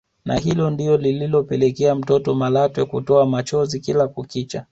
Na hili ndilo linalopelekea mtoto Malatwe kutoa machozi kila kukicha